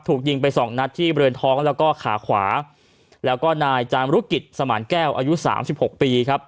ถูกยิงไปสองนัดที่บริเวณท้องแล้วก็ขาขวาแล้วก็นายจามรุกิจสมานแก้วอายุสามสิบหกปีครับ